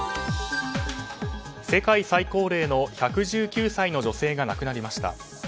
世界最高齢の１１９歳の女性が亡くなりました。